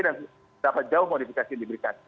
dan seberapa jauh modifikasi yang diberikan